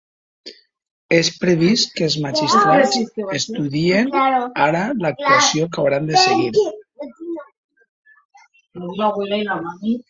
És previst que els magistrats estudiïn ara l’actuació que hauran de seguir.